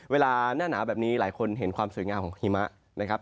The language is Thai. เวลาหน้าหนาวแบบนี้หลายคนเห็นความสวยงามของหิมะนะครับ